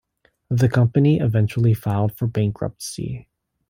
The company eventually filed for bankruptcy.